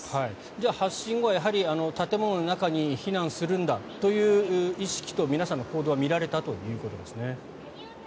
じゃあ発信後やはり建物の中に避難するんだという意識と皆さんの行動は見られたということですね。